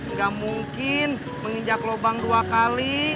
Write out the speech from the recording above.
nggak mungkin menginjak lubang dua kali